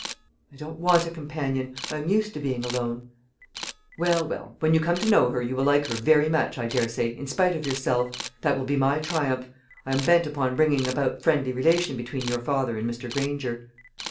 "I don't want a companion; I am used to being alone." "Well, well, when you come to know her, you will like her very much, I daresay, in spite of yourself; that will be my triumph. I am bent upon bringing about friendly relation, between your father and Mr. Granger."